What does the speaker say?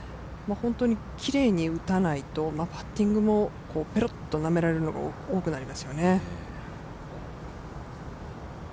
きれいに打たないと、パッティングもペロッとなめられるのが多くなりますよね。